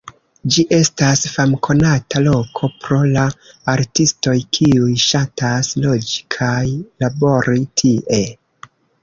Ĝi estas famkonata loko pro la artistoj kiuj ŝatas loĝi kaj labori tie.